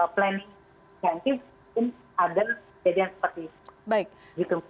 planning presentif untuk agar kejadian seperti itu